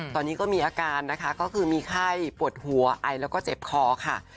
ตอนนี้ก็มีอาการนะคะก็คือมีไข้ปวดหัวไอแล้วก็เจ็บคอค่ะ